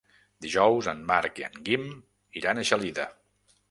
Dijous en Marc i en Guim iran a Gelida.